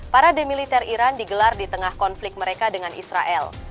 parade militer iran digelar di tengah konflik mereka dengan israel